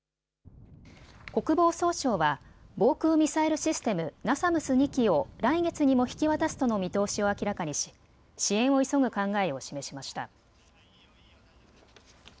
国防総省は防空ミサイルシステム、ナサムス２基を来月にも引き渡すとの見通しを明らかにし支援を急ぐ考えを示しました。